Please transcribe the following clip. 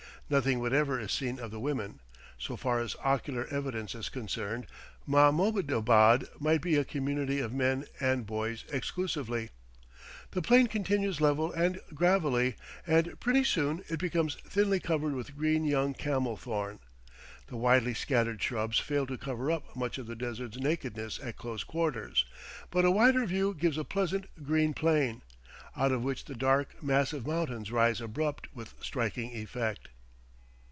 Nothing whatever is seen of the women; so far as ocular evidence is concerned, Mahmoudabad might be a community of men and boys exclusively. The plain continues level and gravelly, and pretty soon it becomes thinly covered with green young camel thorn. The widely scattered shrubs fail to cover up much of the desert's nakedness at close quarters, but a wider view gives a pleasant green plain, out of which the dark, massive mountains rise abrupt with striking effect.